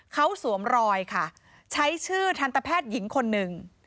เขาสวมรอยค่ะใช้ชื่อทันตแพทย์หญิงคนหนึ่ง